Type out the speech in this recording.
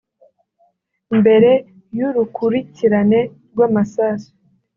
mbere y’urukurikirane rw’amasasu